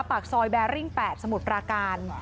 ปากซอยแบริ่ง๘สมุทรปราการ